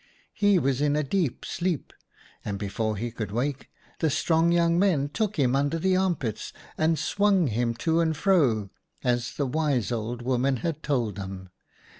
He was in a deep sleep, and before he could wake the strong young men took him under the arm pits and swung him to and fro, as the wise old woman had told them.